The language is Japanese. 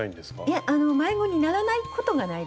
いえ迷子にならないことがないです。